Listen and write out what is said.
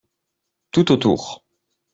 Tout autour.